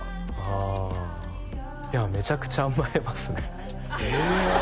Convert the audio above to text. あいやめちゃくちゃ甘えますねへえ！